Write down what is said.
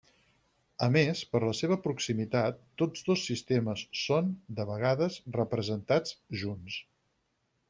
A més, per la seva proximitat, tots dos sistemes són, de vegades, representats junts.